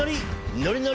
ノリノリ！